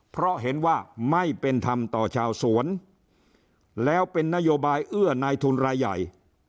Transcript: เพราะเห็นว่าไม่เป็นธรรมต่อชาวสวนแล้วเป็นนโยบายเอื้อนายทุนรายใหญ่